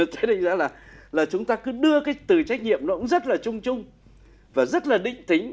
thế nên là chúng ta cứ đưa cái từ trách nhiệm nó cũng rất là trung trung và rất là định tính